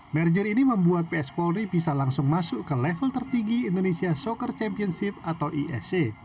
merger ini membuat ps polri bisa langsung masuk ke level tertinggi indonesia soccer championship atau isa